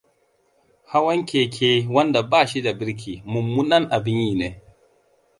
Hawan keke wanda ba shi da birki, mummunan abin yi ne.